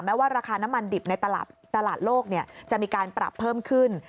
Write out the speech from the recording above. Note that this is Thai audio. ว่าราคาน้ำมันดิบในตลาดโลกจะมีการปรับเพิ่มขึ้น